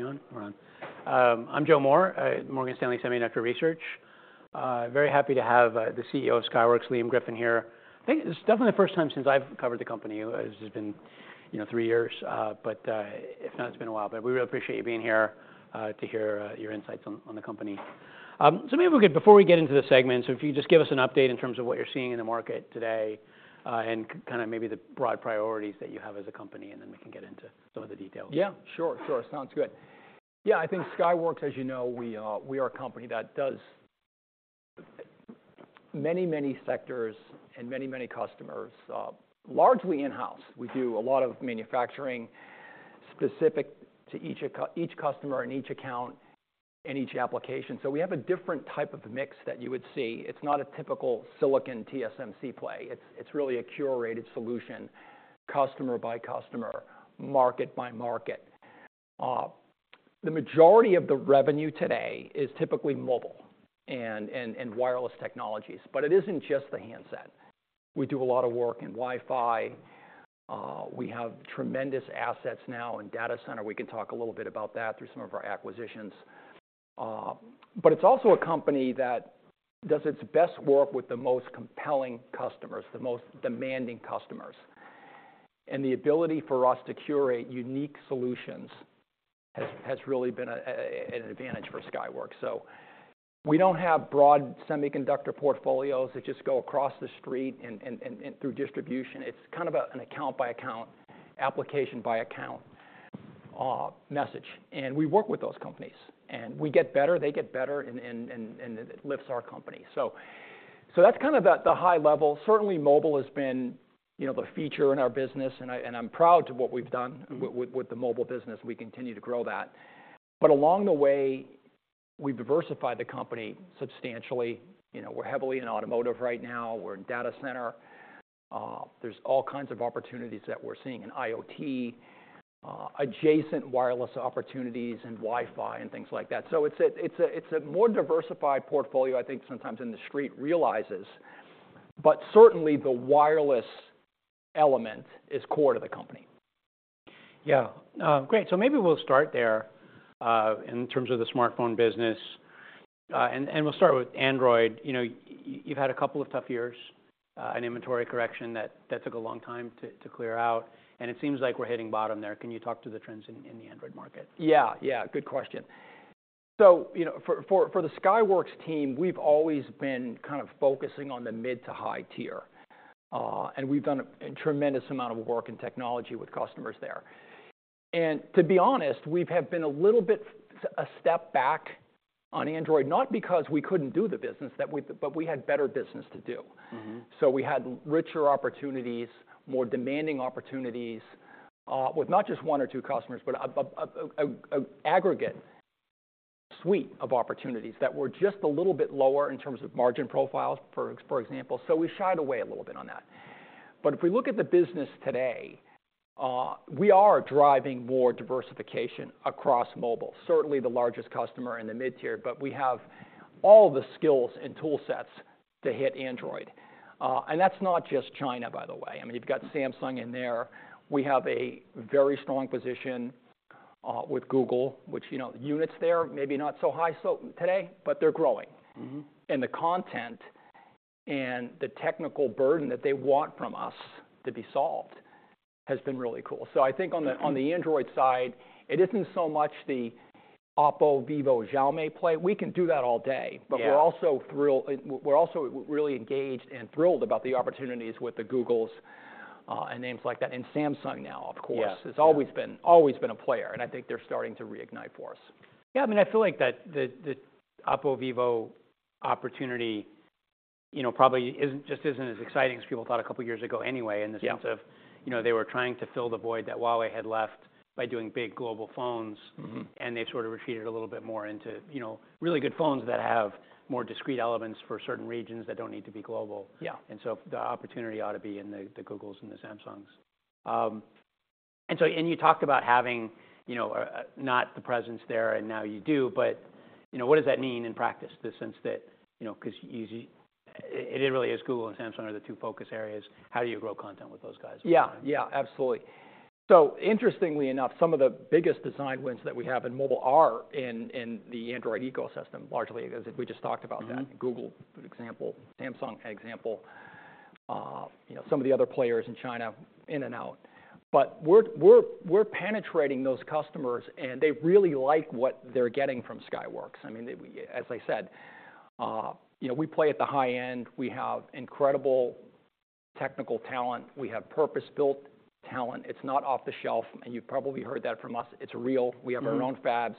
We on? We're on. I'm Joe Moore, Morgan Stanley Semiconductor Research. Very happy to have the CEO of Skyworks, Liam Griffin, here. I think this is definitely the first time since I've covered the company. It's just been, you know, three years. But if not, it's been a while. But we really appreciate you being here to hear your insights on the company. Maybe we could, before we get into the segment, so if you could just give us an update in terms of what you're seeing in the market today, and kind of maybe the broad priorities that you have as a company, and then we can get into some of the details. Yeah. Sure. Sure. Sounds good. Yeah, I think Skyworks, as you know, we, we are a company that does many, many sectors and many, many customers, largely in-house. We do a lot of manufacturing specific to each account, each customer, and each account, and each application. So we have a different type of mix that you would see. It's not a typical silicon TSMC play. It's, it's really a curated solution, customer by customer, market by market. The majority of the revenue today is typically mobile and, and, and wireless technologies. But it isn't just the handset. We do a lot of work in Wi-Fi. We have tremendous assets now in data center. We can talk a little bit about that through some of our acquisitions. But it's also a company that does its best work with the most compelling customers, the most demanding customers. The ability for us to curate unique solutions has really been an advantage for Skyworks. So we don't have broad semiconductor portfolios that just go across the street and through distribution. It's kind of an account-by-account, application-by-account message. And we work with those companies. And we get better. They get better. And it lifts our company. So that's kind of the high level. Certainly, mobile has been, you know, the feature in our business. And I'm proud of what we've done with the mobile business. We continue to grow that. But along the way, we've diversified the company substantially. You know, we're heavily in automotive right now. We're in data center. There are all kinds of opportunities that we're seeing in IoT, adjacent wireless opportunities and Wi-Fi and things like that. So it's a more diversified portfolio, I think, sometimes the Street realizes. But certainly, the wireless element is core to the company. Yeah. Great. So maybe we'll start there, in terms of the smartphone business. And we'll start with Android. You know, you've had a couple of tough years, an inventory correction that took a long time to clear out. And it seems like we're hitting bottom there. Can you talk to the trends in the Android market? Yeah. Yeah. Good question. So, you know, for the Skyworks team, we've always been kind of focusing on the mid to high tier. And we've done a tremendous amount of work and technology with customers there. And to be honest, we have been a little bit a step back on Android, not because we couldn't do the business that we but we had better business to do. Mm-hmm. So we had richer opportunities, more demanding opportunities, with not just one or two customers, but an aggregate suite of opportunities that were just a little bit lower in terms of margin profiles, for example. So we shied away a little bit on that. But if we look at the business today, we are driving more diversification across mobile, certainly the largest customer in the mid tier. But we have all the skills and tool sets to hit Android. And that's not just China, by the way. I mean, you've got Samsung in there. We have a very strong position, with Google, which, you know, units there maybe not so high so today, but they're growing. Mm-hmm. The content and the technical burden that they want from us to be solved has been really cool. So, I think on the Android side, it isn't so much the OPPO, Vivo, Xiaomi play. We can do that all day. Mm-hmm. We're also thrilled and we're also really engaged and thrilled about the opportunities with the Googles, and names like that. Samsung now, of course. Yes. Has always been a player. And I think they're starting to reignite for us. Yeah. I mean, I feel like that the OPPO, Vivo pportunity, you know, probably isn't as exciting as people thought a couple of years ago anyway in the sense of. Yeah. You know, they were trying to fill the void that Huawei had left by doing big global phones. Mm-hmm. They've sort of retreated a little bit more into, you know, really good phones that have more discrete elements for certain regions that don't need to be global. Yeah. And so the opportunity ought to be in the Googles and the Samsungs. And so you talked about having, you know, not the presence there and now you do. But, you know, what does that mean in practice in the sense that, you know, 'cause you see it, it really is Google and Samsung are the two focus areas. How do you grow content with those guys? Yeah. Yeah. Absolutely. So interestingly enough, some of the biggest design wins that we have in mobile are in the Android ecosystem, largely as we just talked about that, Google, for example, Samsung, example, you know, some of the other players in China in and out. But we're penetrating those customers. And they really like what they're getting from Skyworks. I mean, as I said, you know, we play at the high end. We have incredible technical talent. We have purpose-built talent. It's not off the shelf. And you've probably heard that from us. It's real. We have our own fabs,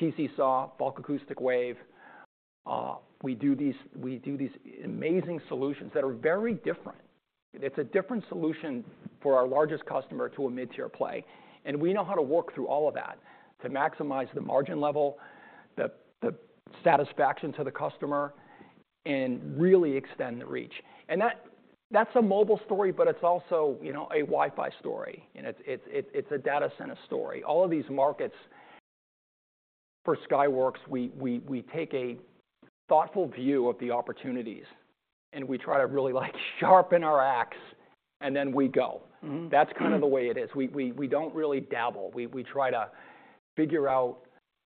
TC-SAW, Bulk Acoustic Wave. We do these amazing solutions that are very different. It's a different solution for our largest customer to a mid-tier play. We know how to work through all of that to maximize the margin level, the satisfaction to the customer, and really extend the reach. And that, that's a mobile story. But it's also, you know, a Wi-Fi story. And it's a data center story. All of these markets for Skyworks, we take a thoughtful view of the opportunities. And we try to really, like, sharpen our axe. And then we go. Mm-hmm. That's kind of the way it is. We don't really dabble. We try to figure out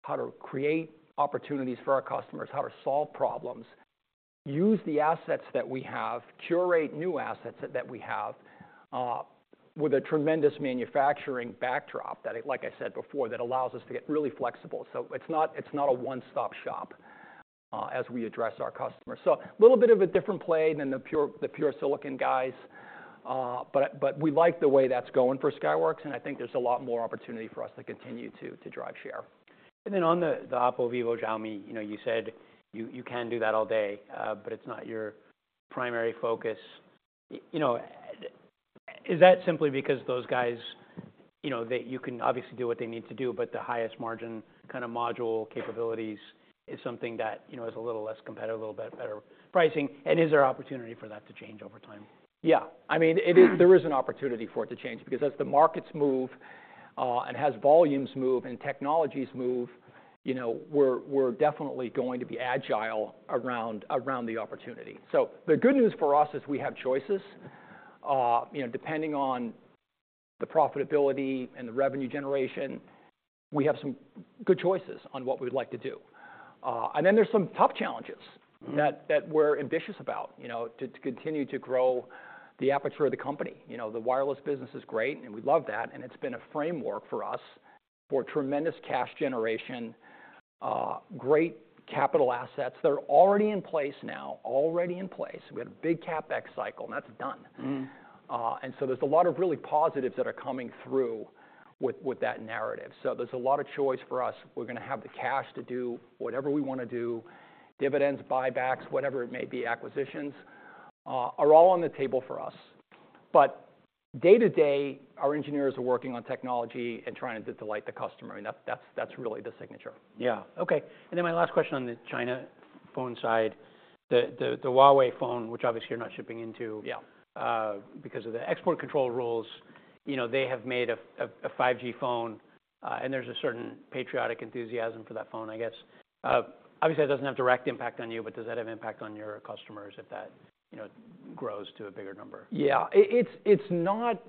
how to create opportunities for our customers, how to solve problems, use the assets that we have, curate new assets that we have, with a tremendous manufacturing backdrop that, like I said before, allows us to get really flexible. So it's not a one-stop shop, as we address our customers. So a little bit of a different play than the pure silicon guys. But we like the way that's going for Skyworks. And I think there's a lot more opportunity for us to continue to drive share. And then on the OPPO, Vivo, Xiaomi, you know, you said you can do that all day, but it's not your primary focus. You know, is that simply because those guys, you know, they can obviously do what they need to do? But the highest margin kind of module capabilities is something that, you know, is a little less competitive, a little bit better pricing. And is there opportunity for that to change over time? Yeah. I mean, there is an opportunity for it to change. Because as the markets move, and as volumes move and technologies move, you know, we're definitely going to be agile around the opportunity. So the good news for us is we have choices. You know, depending on the profitability and the revenue generation, we have some good choices on what we would like to do. And then there's some tough challenges. Mm-hmm. That we're ambitious about, you know, to continue to grow the aperture of the company. You know, the wireless business is great. And we love that. And it's been a framework for us for tremendous cash generation, great capital assets that are already in place now. We had a big CapEx cycle. That's done. Mm-hmm. And so there's a lot of really positives that are coming through with that narrative. So there's a lot of choice for us. We're going to have the cash to do whatever we want to do, dividends, buybacks, whatever it may be, acquisitions, are all on the table for us. But day to day, our engineers are working on technology and trying to delight the customer. I mean, that's, that's, that's really the signature. Yeah. Okay. And then my last question on the China phone side, the Huawei phone, which obviously, you're not shipping into. Yeah. Because of the export control rules, you know, they have made a 5G phone. There's a certain patriotic enthusiasm for that phone, I guess. Obviously, that doesn't have direct impact on you. Does that have impact on your customers if that, you know, grows to a bigger number? Yeah. It's not.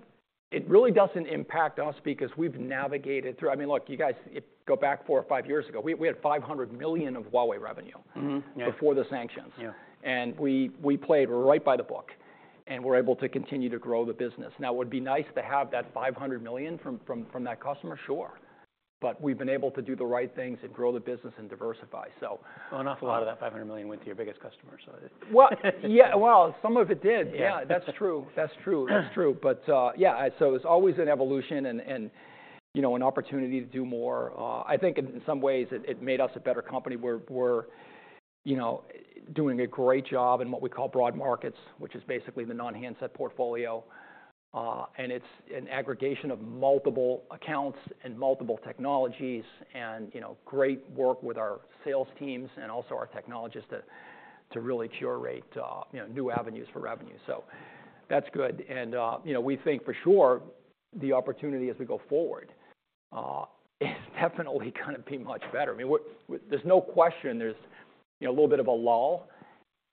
It really doesn't impact us because we've navigated through. I mean, look, you guys, if you go back four or five years ago, we had $500 million of Huawei revenue. Mm-hmm. Yeah. Before the sanctions. Yeah. We played. We're right by the book. We're able to continue to grow the business. Now, it would be nice to have that $500 million from that customer. Sure. But we've been able to do the right things and grow the business and diversify, so. Well, an awful lot of that $500 million went to your biggest customer. So it. Well, yeah. Well, some of it did. Yeah. Yeah. That's true. That's true. That's true. But yeah. So it's always an evolution and you know, an opportunity to do more. I think in some ways, it made us a better company. We're you know, doing a great job in what we call broad markets, which is basically the non-handset portfolio. And it's an aggregation of multiple accounts and multiple technologies and you know, great work with our sales teams and also our technologists to really curate you know, new avenues for revenue. So that's good. And you know, we think for sure, the opportunity as we go forward is definitely going to be much better. I mean, we're, there's no question. There's you know, a little bit of a lull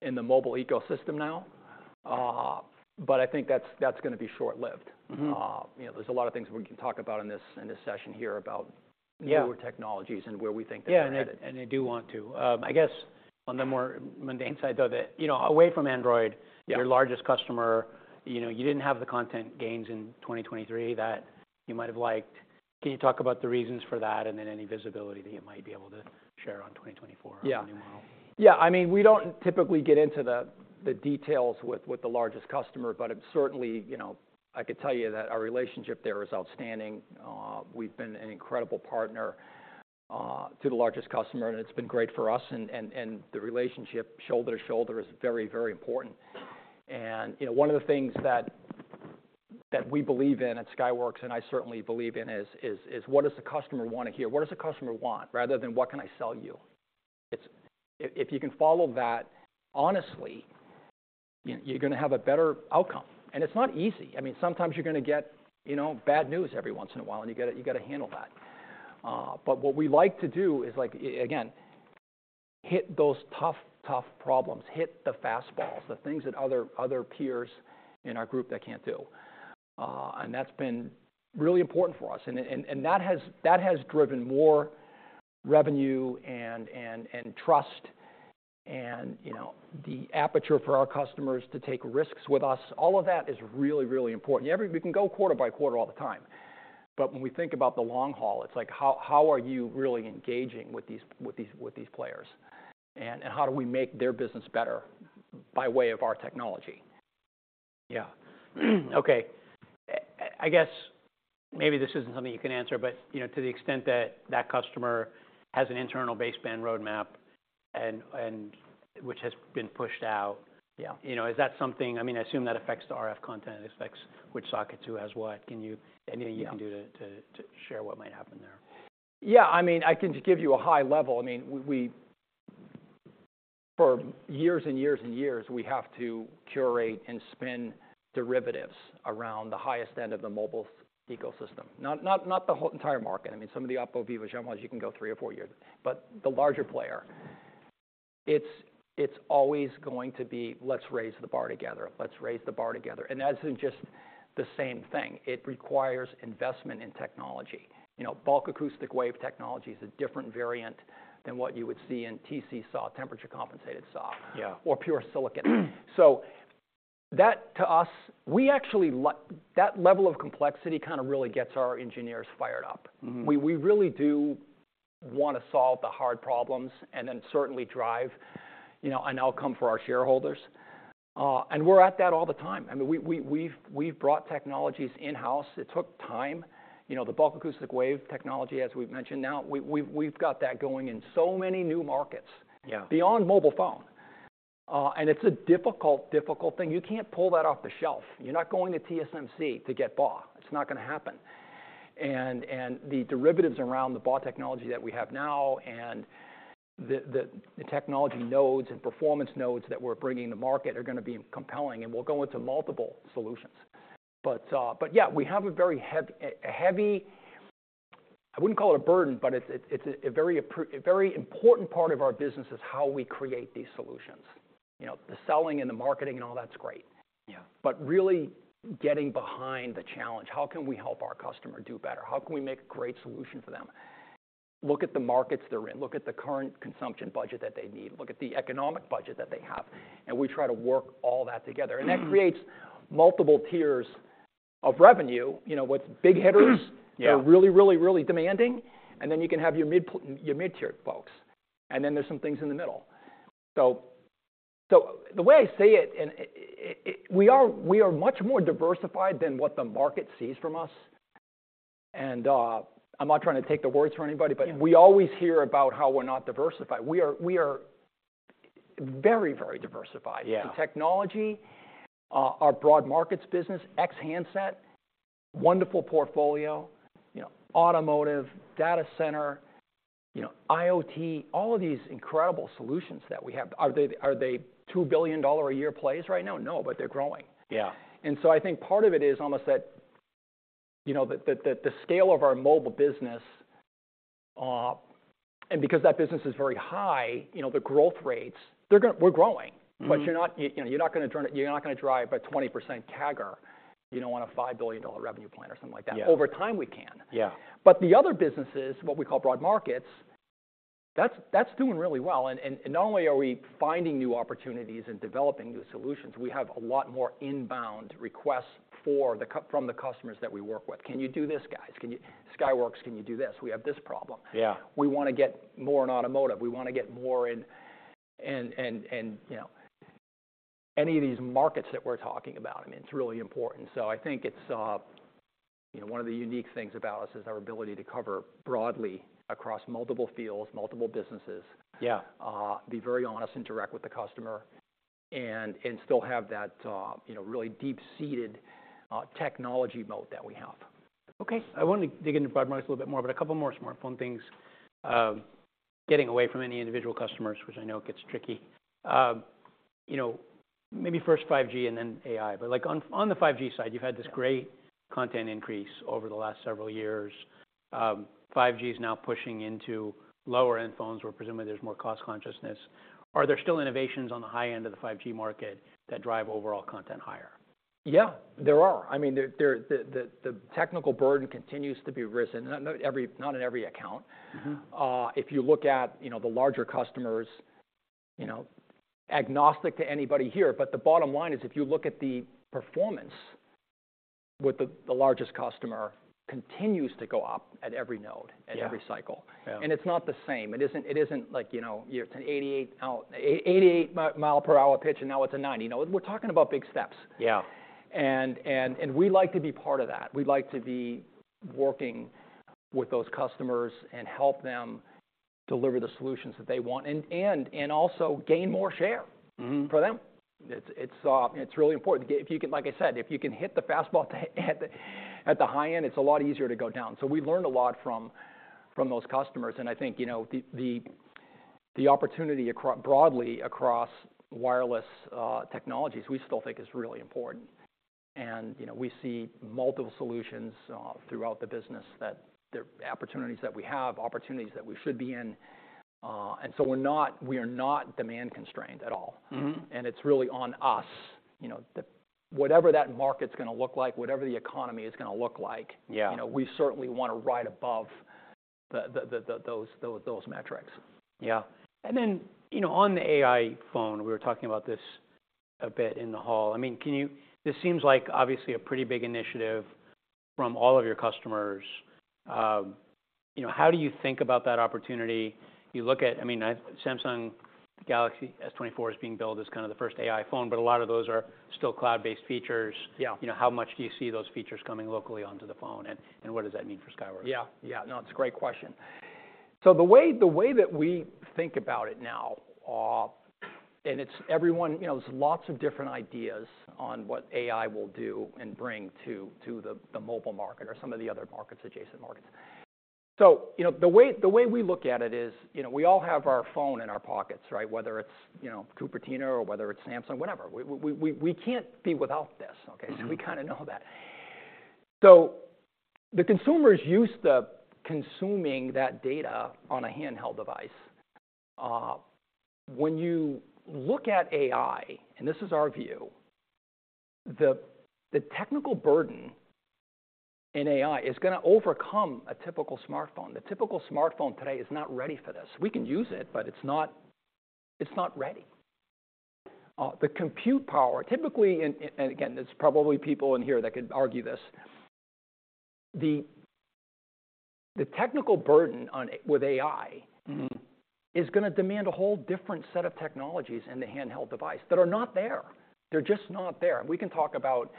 in the mobile ecosystem now. But I think that's going to be short-lived. Mm-hmm. You know, there's a lot of things we can talk about in this, in this session here about newer technologies and where we think they're going to. Yeah. And it and they do want to. I guess on the more mundane side, though, that, you know, away from Android. Yeah. Your largest customer, you know, you didn't have the content gains in 2023 that you might have liked. Can you talk about the reasons for that and then any visibility that you might be able to share on 2024. Yeah. On the new model? Yeah. I mean, we don't typically get into the details with the largest customer. But it's certainly, you know, I could tell you that our relationship there is outstanding. We've been an incredible partner to the largest customer. And it's been great for us. And the relationship shoulder to shoulder is very, very important. And, you know, one of the things that we believe in at Skyworks, and I certainly believe in, is what does the customer want to hear? What does the customer want rather than what can I sell you? It's if you can follow that, honestly, you know, you're going to have a better outcome. And it's not easy. I mean, sometimes you're going to get, you know, bad news every once in a while. And you got to handle that. But what we like to do is, like, again, hit those tough problems, hit the fastballs, the things that other peers in our group can't do. That's been really important for us. And that has driven more revenue and trust and, you know, the aperture for our customers to take risks with us. All of that is really, really important. We can go quarter by quarter all the time. But when we think about the long haul, it's like, how are you really engaging with these players? And how do we make their business better by way of our technology? Yeah. Okay. I guess maybe this isn't something you can answer. But, you know, to the extent that that customer has an internal baseband roadmap and which has been pushed out. Yeah. You know, is that something? I mean, I assume that affects the RF content. It affects which socket, too, has what. Anything you can do to share what might happen there? Yeah. I mean, I can just give you a high level. I mean, we, we for years and years and years, we have to curate and spin derivatives around the highest end of the mobile ecosystem, not, not, not the whole entire market. I mean, some of the OPPO, Vivo, Xiaomi, you can go three or four years. But the larger player, it's, it's always going to be, let's raise the bar together. Let's raise the bar together. And that isn't just the same thing. It requires investment in technology. You know, Bulk Acoustic Wave technology is a different variant than what you would see in TC-SAW, temperature-compensated SAW. Yeah. Or pure silicon. So that, to us, we actually let that level of complexity kind of really gets our engineers fired up. Mm-hmm. We really do want to solve the hard problems and then certainly drive, you know, an outcome for our shareholders. We're at that all the time. I mean, we've brought technologies in-house. It took time. You know, the Bulk Acoustic Wave technology, as we've mentioned, now, we've got that going in so many new markets. Yeah. Beyond mobile phone, and it's a difficult thing. You can't pull that off the shelf. You're not going to TSMC to get BAW. It's not going to happen. And the derivatives around the BAW technology that we have now and the technology nodes and performance nodes that we're bringing to market are going to be compelling. And we'll go into multiple solutions. But yeah, we have a very heavy lift. I wouldn't call it a burden. But it's a very important part of our business is how we create these solutions. You know, the selling and the marketing and all that's great. Yeah. But really getting behind the challenge, how can we help our customer do better? How can we make a great solution for them? Look at the markets they're in. Look at the current consumption budget that they need. Look at the economic budget that they have. And we try to work all that together. And that creates multiple tiers of revenue. You know, what's big hitters. Yeah. are really, really, really demanding. And then you can have your mid-tier folks. And then there's some things in the middle. So the way I say it, we are much more diversified than what the market sees from us. And I'm not trying to take the words for anybody. But we always hear about how we're not diversified. We are very, very diversified. Yeah. The technology, our broad markets business, ex-handset, wonderful portfolio, you know, automotive, data center, you know, IoT, all of these incredible solutions that we have, are they $2 billion a year plays right now? No. But they're growing. Yeah. So I think part of it is almost that, you know, the scale of our mobile business, and because that business is very high, you know, the growth rates. They're going, we're growing. Mm-hmm. But you're not, you know, going to drive a 20% CAGR, you know, on a $5 billion revenue plan or something like that. Yeah. Over time, we can. Yeah. But the other businesses, what we call broad markets, that's doing really well. And not only are we finding new opportunities and developing new solutions, we have a lot more inbound requests for the c from the customers that we work with. Can you do this, guys? Can you Skyworks, can you do this? We have this problem. Yeah. We want to get more in automotive. We want to get more in, you know, any of these markets that we're talking about. I mean, it's really important. So I think it's, you know, one of the unique things about us is our ability to cover broadly across multiple fields, multiple businesses. Yeah. Be very honest and direct with the customer and still have that, you know, really deep-seated, technology moat that we have. Okay. I wanted to dig into broad markets a little bit more. But a couple more smartphone things. Getting away from any individual customers, which I know gets tricky. You know, maybe first 5G and then AI. But, like, on, on the 5G side, you've had this great content increase over the last several years. 5G is now pushing into lower-end phones, where presumably, there's more cost consciousness. Are there still innovations on the high end of the 5G market that drive overall content higher? Yeah. There are. I mean, the technical burden continues to be risen. Not in every account. Mm-hmm. If you look at, you know, the larger customers, you know, agnostic to anybody here. But the bottom line is, if you look at the performance with the, the largest customer, continues to go up at every node and every cycle. Yeah. Yeah. It's not the same. It isn't like, you know, it's an 88 all 88-mile-per-hour pitch. And now, it's a 90. You know, we're talking about big steps. Yeah. We like to be part of that. We like to be working with those customers and help them deliver the solutions that they want and also gain more share. Mm-hmm. For them. It's really important. If you can, like I said, if you can hit the fastball at the high end, it's a lot easier to go down. So we learned a lot from those customers. And I think, you know, the opportunity broadly across wireless technologies, we still think is really important. And, you know, we see multiple solutions throughout the business that there are opportunities that we have, opportunities that we should be in. And so we're not demand-constrained at all. Mm-hmm. It's really on us, you know, that whatever that market's going to look like, whatever the economy is going to look like. Yeah. You know, we certainly want to ride above those metrics. Yeah. And then, you know, on the AI phone, we were talking about this a bit in the hall. I mean, can you this seems like, obviously, a pretty big initiative from all of your customers. You know, how do you think about that opportunity? You look at I mean, I Samsung Galaxy S24 is being built as kind of the first AI phone. But a lot of those are still cloud-based features. Yeah. You know, how much do you see those features coming locally onto the phone? And, what does that mean for Skyworks? Yeah. Yeah. No, it's a great question. So the way that we think about it now, and it's everyone, you know, there's lots of different ideas on what AI will do and bring to the mobile market or some of the other markets, adjacent markets. So, you know, the way we look at it is, you know, we all have our phone in our pockets, right? Whether it's, you know, Cupertino or whether it's Samsung, whatever. We can't be without this, okay? So we kind of know that. So the consumers used to consuming that data on a handheld device. When you look at AI, and this is our view, the technical burden in AI is going to overcome a typical smartphone. The typical smartphone today is not ready for this. We can use it. But it's not ready. The compute power typically and again, there's probably people in here that could argue this. The technical burden on with AI. Mm-hmm. Is going to demand a whole different set of technologies in the handheld device that are not there. They're just not there. And we can talk about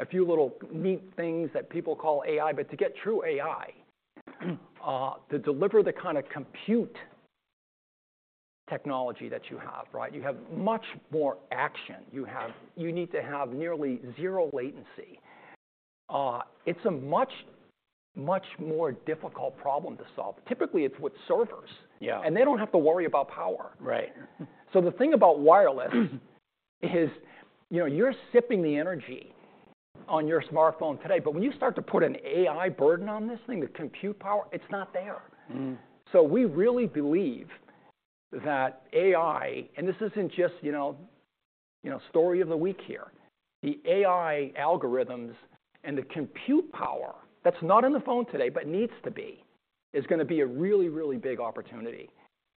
a few little neat things that people call AI. But to get true AI, to deliver the kind of compute technology that you have, right, you have much more action. You need to have nearly zero latency. It's a much, much more difficult problem to solve. Typically, it's with servers. Yeah. They don't have to worry about power. Right. The thing about wireless is, you know, you're sipping the energy on your smartphone today. But when you start to put an AI burden on this thing, the compute power, it's not there. Mm-hmm. So we really believe that AI, and this isn't just, you know, you know, story of the week here. The AI algorithms and the compute power that's not in the phone today but needs to be is going to be a really, really big opportunity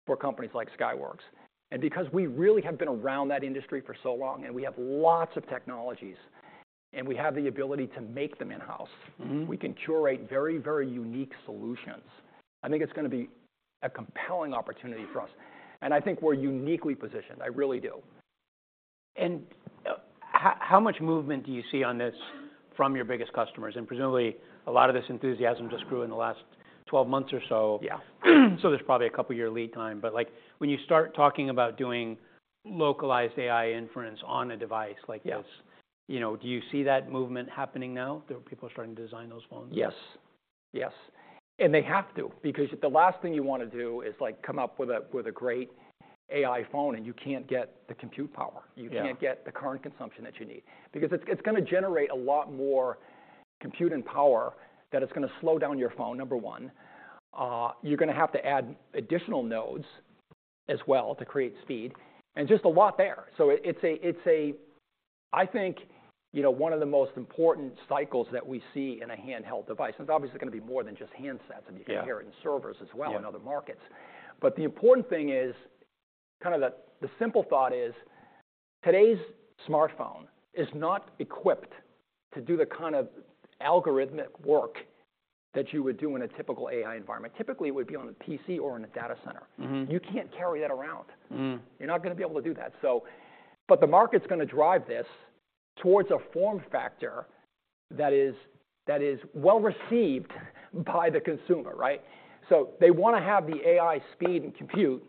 for companies like Skyworks. And because we really have been around that industry for so long, and we have lots of technologies, and we have the ability to make them in-house. Mm-hmm. We can curate very, very unique solutions. I think it's going to be a compelling opportunity for us. I think we're uniquely positioned. I really do. How much movement do you see on this from your biggest customers? Presumably, a lot of this enthusiasm just grew in the last 12 months or so. Yeah. So there's probably a couple-year lead time. But, like, when you start talking about doing localized AI inference on a device like this. Yeah. You know, do you see that movement happening now? There are people starting to design those phones. Yes. Yes. And they have to. Because the last thing you want to do is, like, come up with a great AI phone. And you can't get the compute power. You can't get the current consumption that you need. Because it's going to generate a lot more compute and power that is going to slow down your phone, number one. You're going to have to add additional nodes as well to create speed. And just a lot there. So it's a I think, you know, one of the most important cycles that we see in a handheld device. And it's obviously going to be more than just handsets. Yeah. If you can hear it in servers as well in other markets. But the important thing is kind of the simple thought is, today's smartphone is not equipped to do the kind of algorithmic work that you would do in a typical AI environment. Typically, it would be on a PC or in a data center. Mm-hmm. You can't carry that around. Mm-hmm. You're not going to be able to do that. So, but the market's going to drive this towards a form factor that is well-received by the consumer, right? So they want to have the AI speed and compute.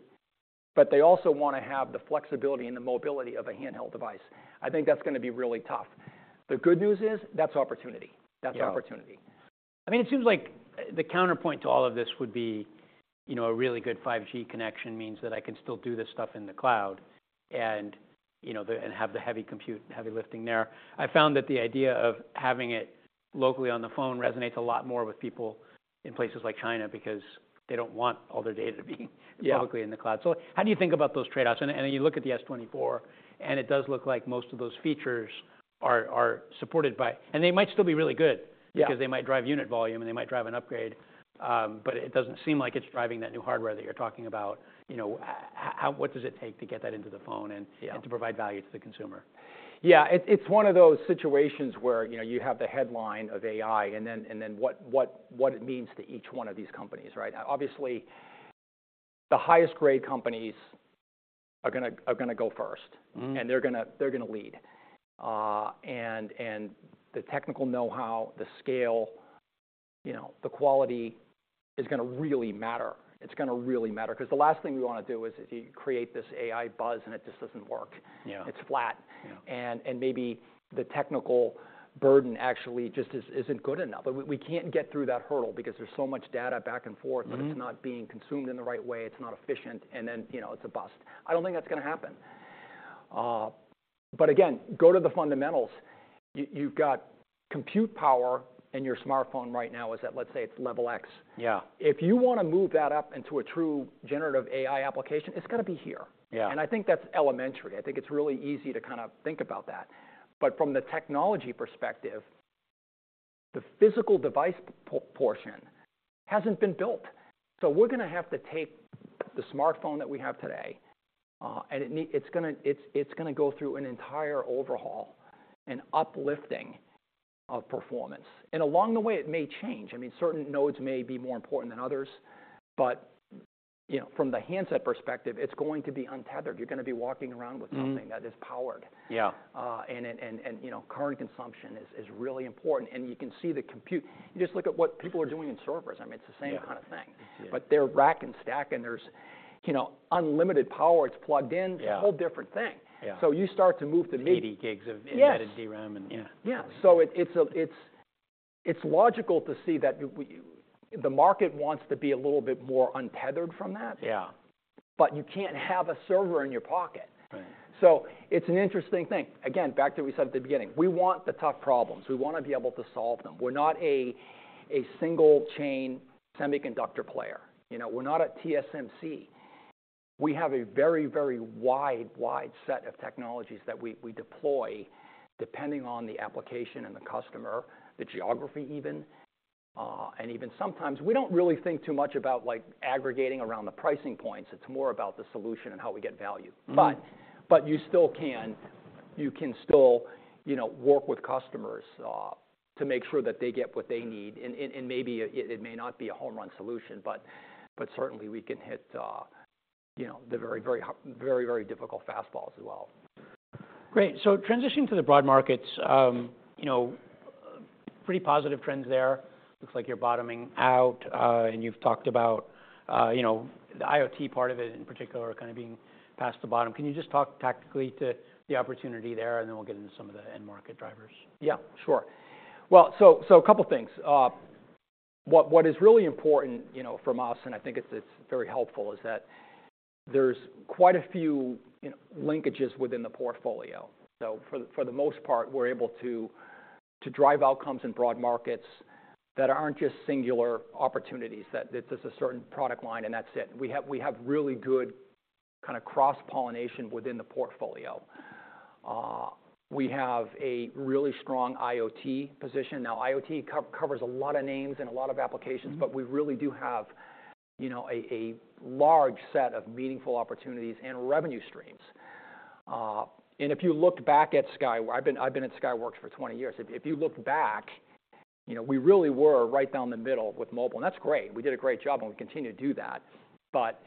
But they also want to have the flexibility and the mobility of a handheld device. I think that's going to be really tough. The good news is, that's opportunity. That's opportunity. Yeah. I mean, it seems like the counterpoint to all of this would be, you know, a really good 5G connection means that I can still do this stuff in the cloud and, you know, and have the heavy compute, heavy lifting there. I found that the idea of having it locally on the phone resonates a lot more with people in places like China because they don't want all their data to be publicly in the cloud. So how do you think about those trade-offs? And you look at the S24. And it does look like most of those features are supported by and they might still be really good. Yeah. Because they might drive unit volume. They might drive an upgrade. But it doesn't seem like it's driving that new hardware that you're talking about. You know, how, how what does it take to get that into the phone and. Yeah. And to provide value to the consumer? Yeah. It's one of those situations where, you know, you have the headline of AI. And then what it means to each one of these companies, right? Obviously, the highest-grade companies are going to go first. Mm-hmm. They're going to lead. And the technical know-how, the scale, you know, the quality is going to really matter. It's going to really matter. Because the last thing we want to do is you create this AI buzz. And it just doesn't work. Yeah. It's flat. Yeah. Maybe the technical burden actually just isn't good enough. But we can't get through that hurdle because there's so much data back and forth. Yeah. But it's not being consumed in the right way. It's not efficient. And then, you know, it's a bust. I don't think that's going to happen. But again, go to the fundamentals. You, you've got compute power in your smartphone right now is at, let's say, it's level X. Yeah. If you want to move that up into a true Generative AI application, it's got to be here. Yeah. I think that's elementary. I think it's really easy to kind of think about that. But from the technology perspective, the physical device portion hasn't been built. So we're going to have to take the smartphone that we have today, and it's going to, it's going to go through an entire overhaul and uplifting of performance. Along the way, it may change. I mean, certain nodes may be more important than others. You know, from the handset perspective, it's going to be untethered. You're going to be walking around with something that is powered. Yeah. you know, current consumption is really important. And you can see the compute. You just look at what people are doing in servers. I mean, it's the same kind of thing. Yeah. It's yeah. They're rack and stack. There's, you know, unlimited power. It's plugged in. Yeah. It's a whole different thing. Yeah. So you start to move to mid. 80 gigs of Embedded DRAM. And yeah. Yeah. So it's logical to see that the market wants to be a little bit more untethered from that. Yeah. But you can't have a server in your pocket. Right. So it's an interesting thing. Again, back to what we said at the beginning, we want the tough problems. We want to be able to solve them. We're not a single-chain semiconductor player. You know, we're not a TSMC. We have a very, very wide, wide set of technologies that we, we deploy depending on the application and the customer, the geography even, and even sometimes, we don't really think too much about, like, aggregating around the pricing points. It's more about the solution and how we get value. Mm-hmm. But you can still, you know, work with customers to make sure that they get what they need. And maybe it may not be a home-run solution. But certainly, we can hit, you know, the very, very difficult fastballs as well. Great. So transitioning to the broad markets, you know, pretty positive trends there. Looks like you're bottoming out. And you've talked about, you know, the IoT part of it in particular kind of being past the bottom. Can you just talk tactically to the opportunity there? And then we'll get into some of the end-market drivers. Yeah. Sure. Well, so a couple of things. What is really important, you know, from us, and I think it's very helpful, is that there's quite a few, you know, linkages within the portfolio. So for the most part, we're able to drive outcomes in broad markets that aren't just singular opportunities, that it's just a certain product line. And that's it. We have really good kind of cross-pollination within the portfolio. We have a really strong IoT position. Now, IoT covers a lot of names and a lot of applications. But we really do have, you know, a large set of meaningful opportunities and revenue streams. And if you looked back at Skyworks, I've been at Skyworks for 20 years. If you looked back, you know, we really were right down the middle with mobile. And that's great. And we did a great job. And we continue to do that. But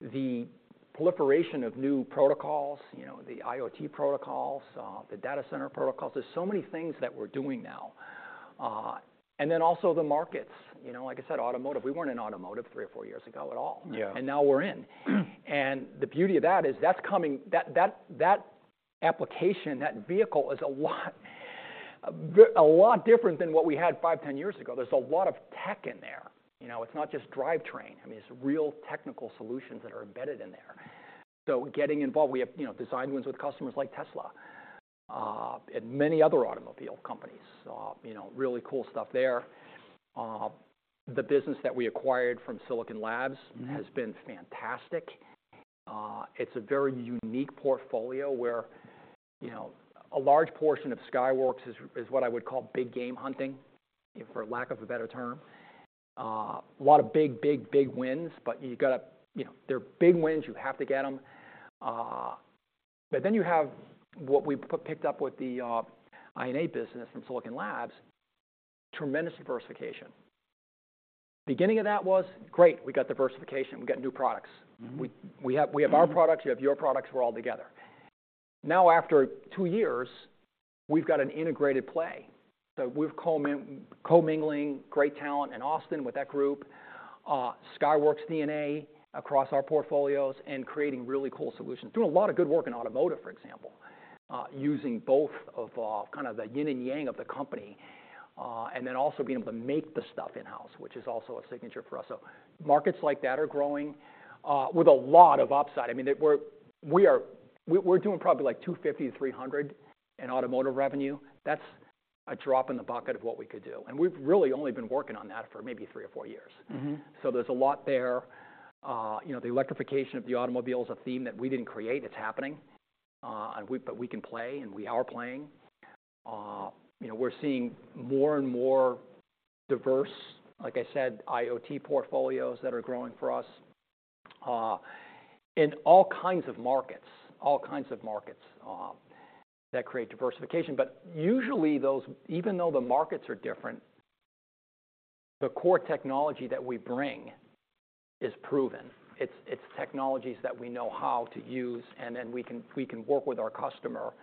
the proliferation of new protocols, you know, the IoT protocols, the data center protocols, there's so many things that we're doing now. And then also the markets. You know, like I said, automotive. We weren't in automotive three or four years ago at all. Yeah. And now, we're in. And the beauty of that is, that's coming, that application, that vehicle is a lot different than what we had 5, 10 years ago. There's a lot of tech in there. You know, it's not just drivetrain. I mean, it's real technical solutions that are embedded in there. So getting involved, we have, you know, designed ones with customers like Tesla, and many other automobile companies. You know, really cool stuff there. The business that we acquired from Silicon Labs has been fantastic. It's a very unique portfolio where, you know, a large portion of Skyworks is what I would call big game hunting, if for lack of a better term. A lot of big wins. But you got to, you know, they're big wins. You have to get them. But then you have what we picked up with the I&A business from Silicon Labs, tremendous diversification. Beginning of that was great. We got diversification. We got new products. Mm-hmm. We have our products. You have your products. We're all together. Now, after two years, we've got an integrated play. So we've commingling great talent in Austin with that group, Skyworks DNA across our portfolios and creating really cool solutions, doing a lot of good work in automotive, for example, using both of, kind of the yin and yang of the company, and then also being able to make the stuff in-house, which is also a signature for us. So markets like that are growing, with a lot of upside. I mean, that we're doing probably, like, $250-$300 in automotive revenue. That's a drop in the bucket of what we could do. And we've really only been working on that for maybe three or four years. Mm-hmm. So there's a lot there. You know, the electrification of the automobile is a theme that we didn't create. It's happening. And we but we can play. And we are playing. You know, we're seeing more and more diverse, like I said, IoT portfolios that are growing for us, in all kinds of markets, all kinds of markets, that create diversification. But usually, those even though the markets are different, the core technology that we bring is proven. It's, it's technologies that we know how to use. And then we can we can work with our customer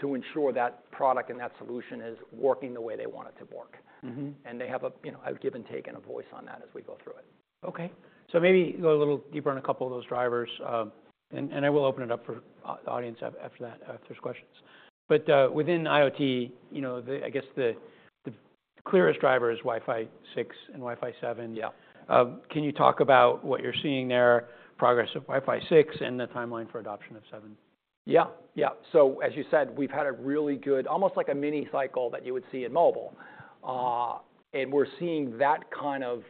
to ensure that product and that solution is working the way they want it to work. Mm-hmm. They have a, you know, a give and take and a voice on that as we go through it. OK. So maybe go a little deeper on a couple of those drivers. And I will open it up for the audience after that, if there's questions. But within IoT, you know, I guess the clearest driver is Wi-Fi 6 and Wi-Fi 7. Yeah. Can you talk about what you're seeing there, progress of Wi-Fi 6 and the timeline for adoption of 7? Yeah. Yeah. So as you said, we've had a really good almost like a mini-cycle that you would see in mobile. And we're seeing that kind of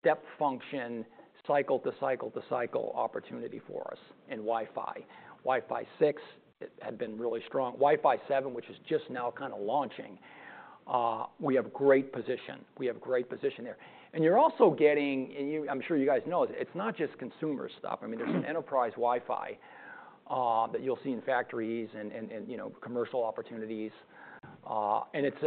step function cycle to cycle to cycle opportunity for us in Wi-Fi. Wi-Fi 6 had been really strong. Wi-Fi 7, which is just now kind of launching, we have great position. We have great position there. And you're also getting – and you, I'm sure you guys know, it's not just consumer stuff. I mean, there's an enterprise Wi-Fi that you'll see in factories and, and you know, commercial opportunities. And it's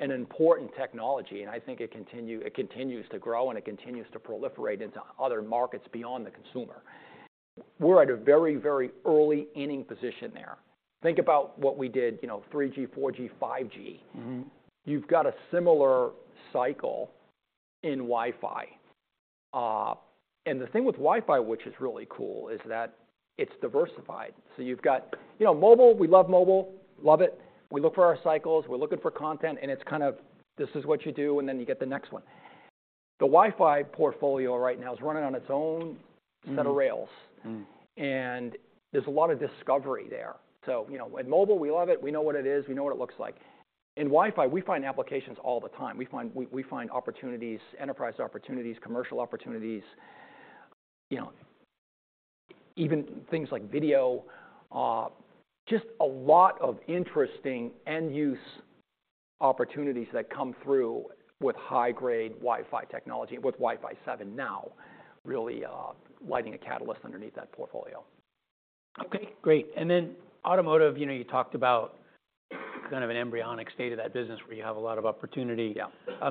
an important technology. And I think it continues to grow. And it continues to proliferate into other markets beyond the consumer. We're at a very, very early inning position there. Think about what we did, you know, 3G, 4G, 5G. Mm-hmm. You've got a similar cycle in Wi-Fi, and the thing with Wi-Fi, which is really cool, is that it's diversified. So you've got, you know, mobile. We love mobile. Love it. We look for our cycles. We're looking for content. And it's kind of, this is what you do. And then you get the next one. The Wi-Fi portfolio right now is running on its own set of rails. Mm-hmm. There's a lot of discovery there. So, you know, in mobile, we love it. We know what it is. We know what it looks like. In Wi-Fi, we find applications all the time. We find opportunities, enterprise opportunities, commercial opportunities, you know, even things like video, just a lot of interesting end-use opportunities that come through with high-grade Wi-Fi technology, with Wi-Fi 7 now really lighting a catalyst underneath that portfolio. OK. Great. And then automotive, you know, you talked about kind of an embryonic state of that business where you have a lot of opportunity. Yeah.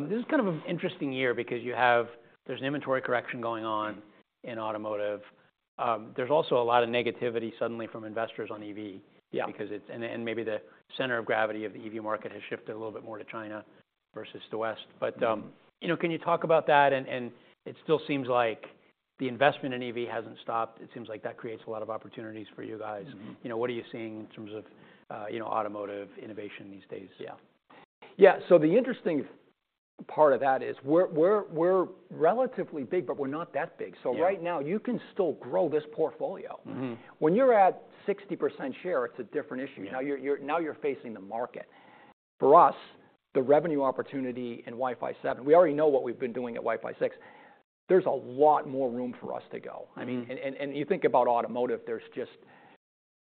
This is kind of an interesting year because you have there's an inventory correction going on in automotive. There's also a lot of negativity suddenly from investors on EV. Yeah. Because maybe the center of gravity of the EV market has shifted a little bit more to China versus the West. But, you know, can you talk about that? And it still seems like the investment in EV hasn't stopped. It seems like that creates a lot of opportunities for you guys. Mm-hmm. You know, what are you seeing in terms of, you know, automotive innovation these days? Yeah. Yeah. So the interesting part of that is, we're relatively big. But we're not that big. Mm-hmm. So right now, you can still grow this portfolio. Mm-hmm. When you're at 60% share, it's a different issue. Yeah. Now, you're facing the market. For us, the revenue opportunity in Wi-Fi 7, we already know what we've been doing at Wi-Fi 6. There's a lot more room for us to go. Mm-hmm. I mean, you think about automotive. There's just,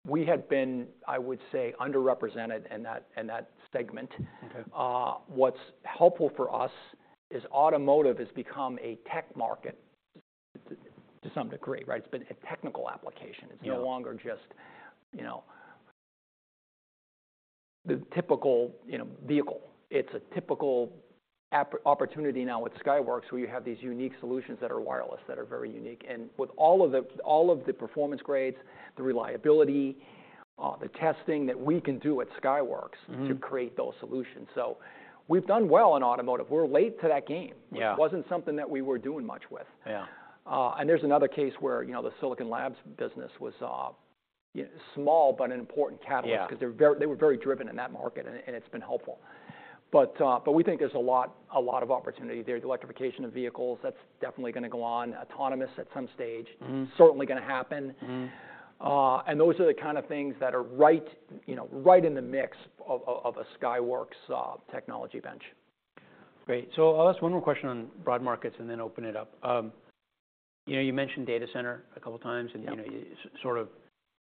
we had been, I would say, underrepresented in that segment. OK. What's helpful for us is automotive has become a tech market to some degree, right? It's been a technical application. Yeah. It's no longer just, you know, the typical, you know, vehicle. It's a typical opportunity now with Skyworks, where you have these unique solutions that are wireless, that are very unique. And with all of the performance grades, the reliability, the testing that we can do at Skyworks. Mm-hmm. To create those solutions. So we've done well in automotive. We're late to that game. Yeah. It wasn't something that we were doing much with. Yeah. There's another case where, you know, the Silicon Labs business was, you know, small but an important catalyst. Yeah. Because they were very driven in that market. And it's been helpful. But we think there's a lot of opportunity there. The electrification of vehicles, that's definitely going to go on. Autonomous at some stage. Mm-hmm. Certainly going to happen. Mm-hmm. and those are the kind of things that are right, you know, right in the mix of a Skyworks technology bench. Great. I'll ask one more question on broad markets and then open it up. You know, you mentioned data center a couple of times. Yeah. You know, sort of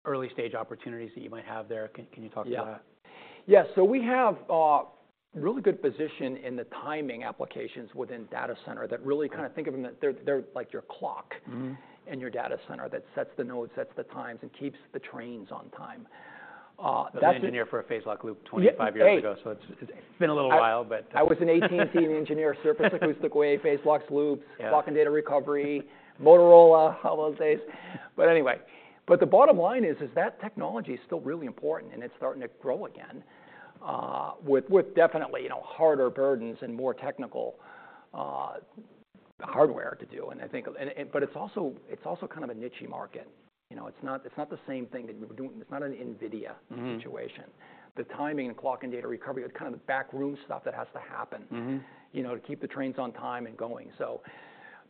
early-stage opportunities that you might have there. Can you talk about that? Yeah. Yeah. So we have really good position in the timing applications within data center that really kind of think of them that they're like your clock. Mm-hmm. In your data center that sets the nodes, sets the times, and keeps the trains on time. That's. I'm an engineer for a phase-locked loop 25 years ago. Yes. So it's been a little while. But. I was an AT&T engineer, surface acoustic wave, phase-locked loops. Yeah. Clock and Data Recovery, Motorola, all those days. But anyway, the bottom line is that technology is still really important. And it's starting to grow again, with definitely, you know, harder burdens and more technical hardware to do. And I think, but it's also kind of a niche market. You know, it's not the same thing that we were doing. It's not an NVIDIA situation. Mm-hmm. The timing and clock and data recovery, it's kind of the backroom stuff that has to happen. Mm-hmm. You know, to keep the trains on time and going. So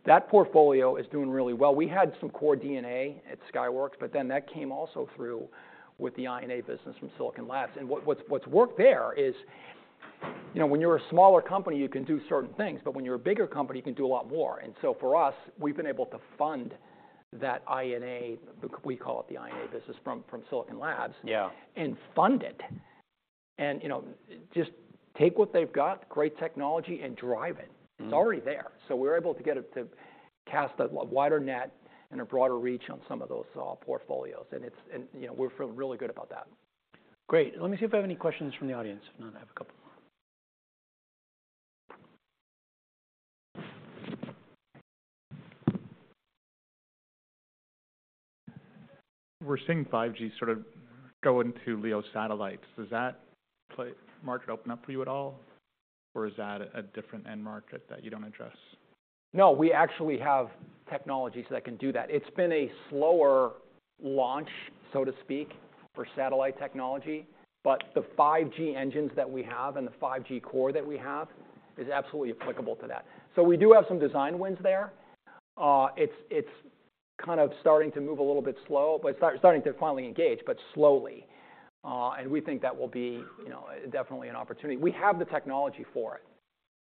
that portfolio is doing really well. We had some core DNA at Skyworks. But then that came also through with the I&A business from Silicon Labs. And what's worked there is, you know, when you're a smaller company, you can do certain things. But when you're a bigger company, you can do a lot more. And so for us, we've been able to fund that INA we call it the INA business from Silicon Labs. Yeah. Fund it. And, you know, just take what they've got, great technology, and drive it. Mm-hmm. It's already there. So we're able to get it to cast a wider net and a broader reach on some of those portfolios. And it's, you know, we're feeling really good about that. Great. Let me see if I have any questions from the audience. If not, I have a couple more. We're seeing 5G sort of go into LEO's satellites. Does that play market open up for you at all? Or is that a different end market that you don't address? No. We actually have technologies that can do that. It's been a slower launch, so to speak, for satellite technology. But the 5G engines that we have and the 5G core that we have is absolutely applicable to that. So we do have some design wins there. It's kind of starting to move a little bit slow. But it's starting to finally engage, but slowly. And we think that will be, you know, definitely an opportunity. We have the technology for it.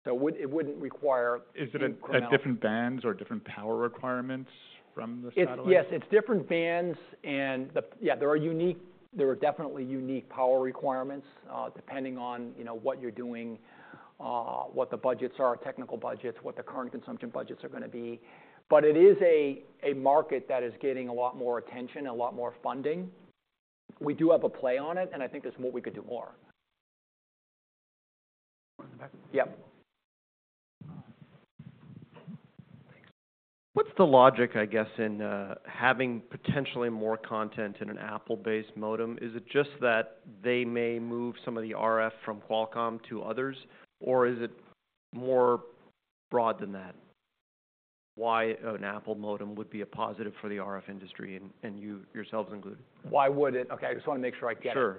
So it wouldn't require. Is it a different bands or different power requirements from the satellites? It's yes. It's different bands. And yeah, there are definitely unique power requirements, depending on, you know, what you're doing, what the budgets are, technical budgets, what the current consumption budgets are going to be. But it is a market that is getting a lot more attention and a lot more funding. We do have a play on it. And I think there's more we could do more. One in the back? Yep. Thanks. What's the logic, I guess, in having potentially more content in an Apple-based modem? Is it just that they may move some of the RF from Qualcomm to others? Or is it more broad than that? Why an Apple modem would be a positive for the RF industry and, and you yourselves included. Why would it? OK. I just want to make sure I get it. Sure.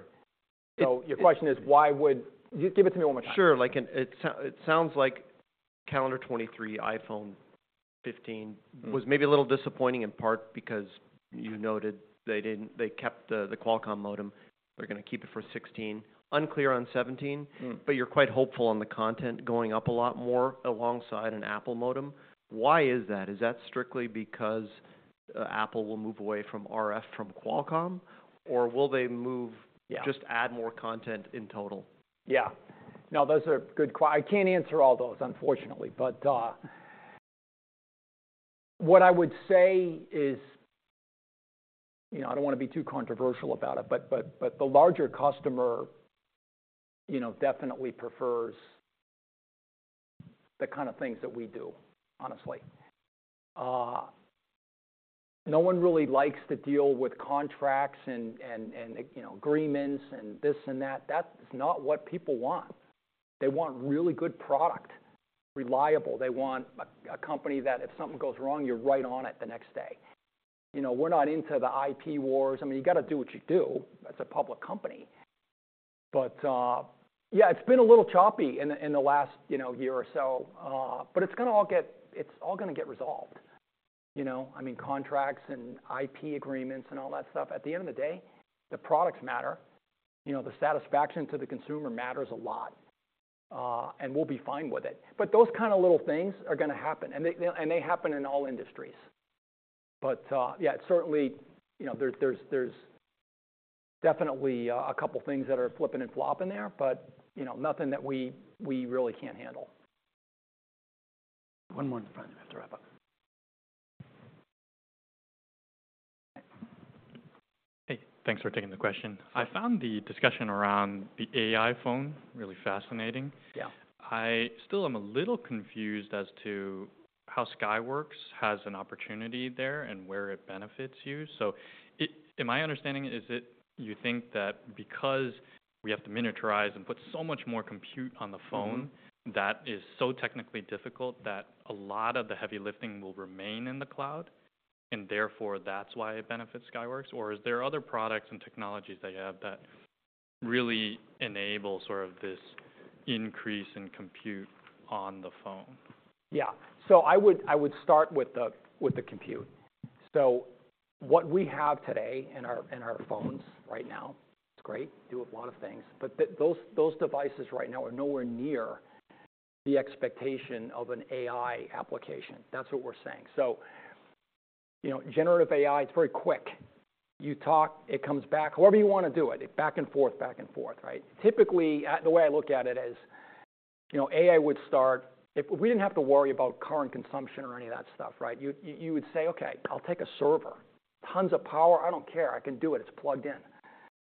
So, your question is, why would give it to me one more time. Sure. Like, and it sounds like calendar 2023, iPhone 15. Mm-hmm. Was maybe a little disappointing in part because you noted they didn't, they kept the, the Qualcomm modem. They're going to keep it for 16. Unclear on 17. Mm-hmm. But you're quite hopeful on the content going up a lot more alongside an Apple modem. Why is that? Is that strictly because Apple will move away from RF from Qualcomm? Or will they move? Yeah. Just add more content in total? Yeah. Now, those are good questions. I can't answer all those, unfortunately. But what I would say is, you know, I don't want to be too controversial about it. But the larger customer, you know, definitely prefers the kind of things that we do, honestly. No one really likes to deal with contracts and, you know, agreements and this and that. That's not what people want. They want really good product, reliable. They want a company that, if something goes wrong, you're right on it the next day. You know, we're not into the IP wars. I mean, you got to do what you do. That's a public company. But yeah, it's been a little choppy in the last, you know, year or so. But it's all going to get resolved, you know? I mean, contracts and IP agreements and all that stuff. At the end of the day, the products matter. You know, the satisfaction to the consumer matters a lot. We'll be fine with it. But those kind of little things are going to happen. And they happen in all industries. But, yeah, it's certainly, you know, there's definitely a couple of things that are flipping and flopping there. But, you know, nothing that we really can't handle. One more in front. You have to wrap up. Hey. Thanks for taking the question. I found the discussion around the AI phone really fascinating. Yeah. I still am a little confused as to how Skyworks has an opportunity there and where it benefits you. So, in my understanding, is it you think that because we have to miniaturize and put so much more compute on the phone that is so technically difficult, that a lot of the heavy lifting will remain in the cloud? And therefore, that's why it benefits Skyworks? Or is there other products and technologies that you have that really enable sort of this increase in compute on the phone? Yeah. So I would start with the compute. So what we have today in our phones right now, it's great. Do a lot of things. But those devices right now are nowhere near the expectation of an AI application. That's what we're saying. So, you know, generative AI, it's very quick. You talk, it comes back however you want to do it. Back and forth, back and forth, right? Typically, the way I look at it is, you know, AI would start if we didn't have to worry about current consumption or any of that stuff, right? You would say, OK, I'll take a server. Tons of power. I don't care. I can do it. It's plugged in.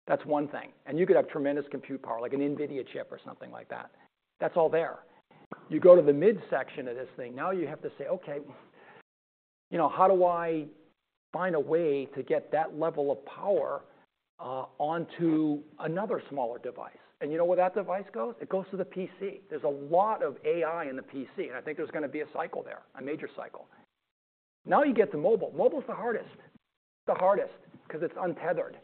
That's one thing. And you could have tremendous compute power, like an NVIDIA chip or something like that. That's all there. You go to the mid-section of this thing. Now, you have to say, OK, you know, how do I find a way to get that level of power onto another smaller device? And you know where that device goes? It goes to the PC. There's a lot of AI in the PC. And I think there's going to be a cycle there, a major cycle. Now, you get the mobile. Mobile is the hardest, the hardest, because it's untethered.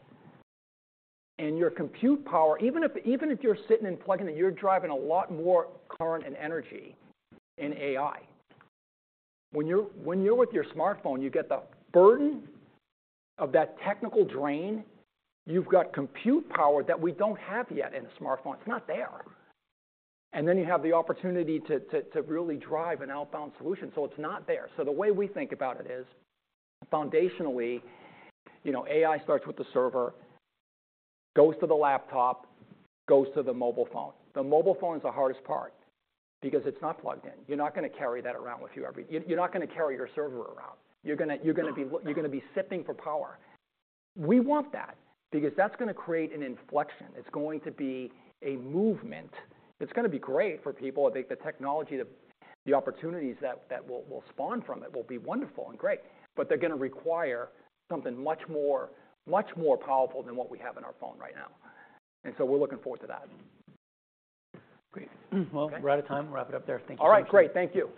And your compute power, even if you're sitting and plugging it, you're driving a lot more current and energy in AI. When you're with your smartphone, you get the burden of that technical drain. You've got compute power that we don't have yet in a smartphone. It's not there. And then you have the opportunity to really drive an outbound solution. So it's not there. So the way we think about it is, foundationally, you know, AI starts with the server, goes to the laptop, goes to the mobile phone. The mobile phone is the hardest part because it's not plugged in. You're not going to carry that around with you. You're not going to carry your server around. You're going to be sipping for power. We want that because that's going to create an inflection. It's going to be a movement. It's going to be great for people. I think the technology, the opportunities that will spawn from it will be wonderful and great. But they're going to require something much more, much more powerful than what we have in our phone right now. And so we're looking forward to that. Great. Well, we're out of time. Wrap it up there. Thank you so much. All right. Great. Thank you.